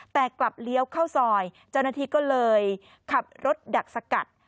แต่กลับเลี้ยวเข้าซอยเจ้าหน้าที่ก็เลยขับรถดักสกัด